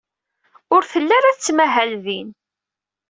Ur telli ara tettmahal din.